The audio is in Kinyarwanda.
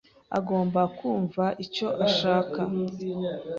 agomba kumva icyo nshaka